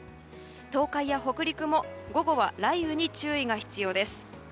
東海や北陸も午後は雷雨に注意が必要です。